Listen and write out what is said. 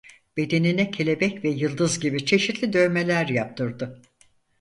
Bedenine kelebek ve yıldız gibi çeşitli dövmeler yaptırdı.